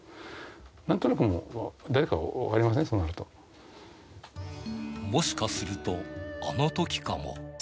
なんとなく、もしかすると、あのときかも。